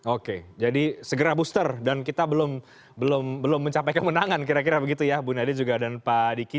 oke jadi segera booster dan kita belum mencapai kemenangan kira kira begitu ya bu nadia juga dan pak diki